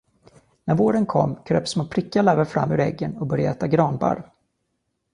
När våren kom, kröp små prickiga larver fram ur äggen och började äta granbarr.